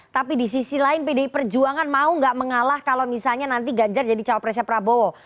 tapi di sisi lain pdi perjuangan mau nggak mengalah kalau misalnya nanti ganjar jadi cawapresnya prabowo